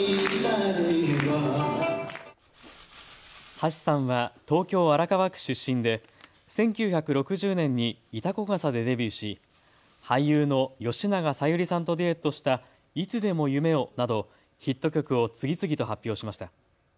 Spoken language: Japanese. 橋さんは東京荒川区出身で１９６０年に潮来笠でデビューし俳優の吉永小百合さんとデュエットしたいつでも夢をなどヒット曲を次々と発表しました。